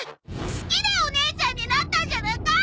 好きでお姉ちゃんになったんじゃなか！